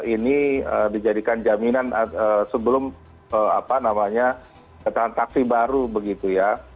ini dijadikan jaminan sebelum apa namanya ketahan taksi baru begitu ya